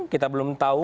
kita belum tahu